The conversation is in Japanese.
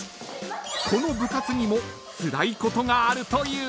［この部活にもつらいことがあるという］